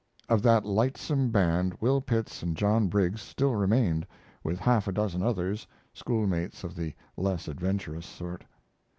Of that lightsome band Will Pitts and John Briggs still remained, with half a dozen others schoolmates of the less adventurous sort.